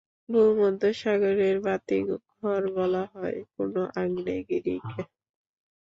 ভূমধ্যসাগরের বাতিঘর বলা হয় কোন আগ্নেয়গিরিকে?